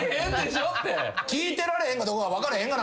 聞いてられへんかどうか分からへんがな。